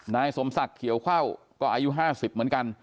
นายสมศักดิ์เขียวเข้าก็อายุ๕๐เหมือนกัน